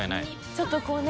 ちょっとこうね。